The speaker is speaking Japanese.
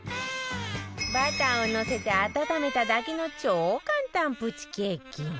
バターをのせて温めただけの超簡単プチケーキ